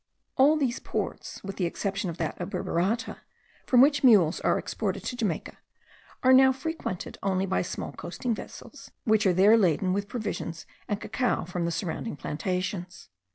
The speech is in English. All these ports, with the exception of that of Burburata, from which mules are exported to Jamaica, are now frequented only by small coasting vessels, which are there laden with provisions and cacao from the surrounding plantations.